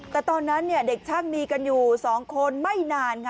แต่ตอนนั้นเด็กช่างมีกันอยู่๒คนไม่นานค่ะ